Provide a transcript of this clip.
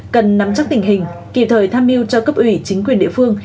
cần nắm chắc tình hình kịp thời tham mưu cho cấp ủy chính quyền địa phương